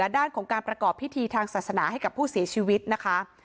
ด้านของการประกอบพิธีทางศาสนาให้กับผู้เสียชีวิตนะคะ